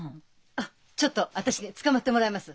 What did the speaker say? あっちょっと私につかまってもらえます？